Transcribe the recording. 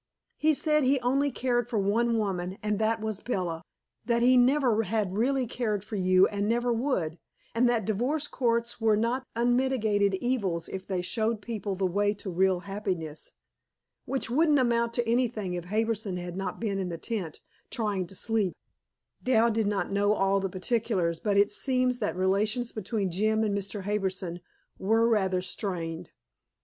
"He said he only cared for one woman, and that was Bella; that he never had really cared for you and never would, and that divorce courts were not unmitigated evils if they showed people the way to real happiness. Which wouldn't amount to anything if Harbison had not been in the tent, trying to sleep!" Dal did not know all the particulars, but it seems that relations between Jim and Mr. Harbison were rather strained.